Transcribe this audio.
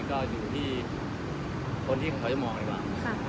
ก็อยู่ที่คนที่เขาจะมองดีกว่า